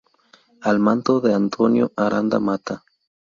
Al mando de Antonio Aranda Mata.